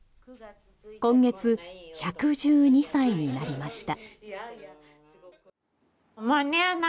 今月１１２歳になりました。